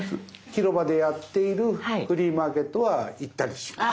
広場でやっているフリーマーケットは行ったりします。